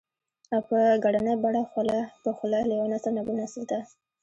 او په ګړنۍ بڼه خوله په خوله له يوه نسل نه بل نسل ته